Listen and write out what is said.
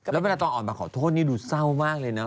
แล้วเวลาตอนออกมาขอโทษนี่ดูเศร้ามากเลยนะ